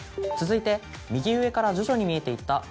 続いて右上から徐々に見えていった